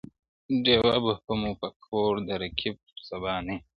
• ډېوه به مو په کور کي د رقیب تر سبا نه وي -